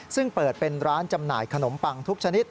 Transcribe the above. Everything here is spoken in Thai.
ซึ่งเปิดเป็นร้านจำหน่ายขนมปังทุกชนิด